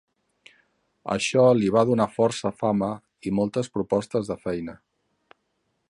Això li va donar força fama i moltes propostes de feina.